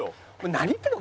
何言ってるの？